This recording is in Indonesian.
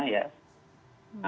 yang setahu saya